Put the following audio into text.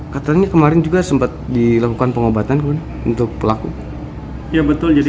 katanya kemarin juga sempat dilakukan pengobatan untuk pelaku ya betul jadi